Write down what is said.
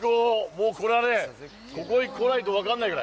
もうこれはね、ここに来ないと分からないよ。